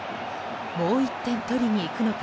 もう１点取りにいくのか